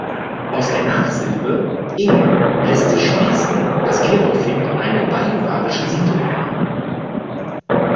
Aus der Nachsilbe -ing lässt sich schließen, dass Gerolfing eine bajuwarische Siedlung war.